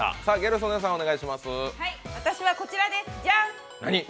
私はこちらです、ジャン。